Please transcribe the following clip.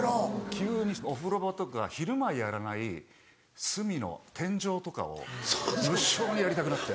急にお風呂場とか昼間やらない隅の天井とかを無性にやりたくなって。